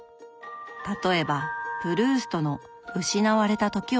例えばプルーストの「失われた時を求めて」